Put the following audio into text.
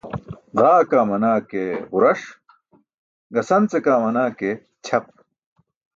Ġaa kaa manaa ke ġuras gasance kaa manaa ke ćʰap.